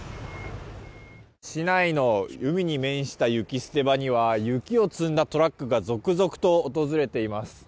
市内の海に面した雪捨て場には雪を積んだトラックが続々と訪れています。